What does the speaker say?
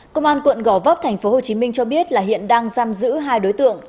công an quận gò vấp tp hcm cho biết là hiện đang giam giữ hai đối tượng